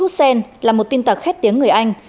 hussein là một tin tặc khét tiếng người anh